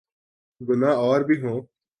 گناہ اور بھی ہوں۔